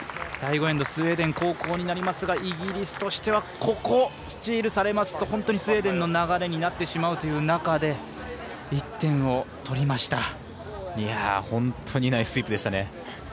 第５エンドスウェーデン後攻になりますがイギリスとしてはここをスチールされますとスウェーデンの流れになってしまうという中で１点を取りました。